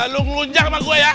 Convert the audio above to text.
lo ngelunjang sama gue ya